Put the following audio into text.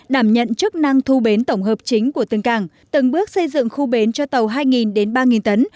đảm nhận chức năng thu bến tổng hợp chính của từng cảng từng bước xây dựng khu bến cho tàu hai đến ba tấn